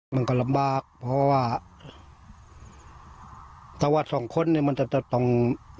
มันก็ลำบากเพราะว่าถ้าวัดสองคนเนี่ยมันจะต้อง